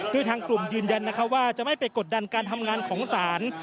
โดยทางกลุ่มยืนยันว่าจะไม่ไปกดดันการทำงานของศาล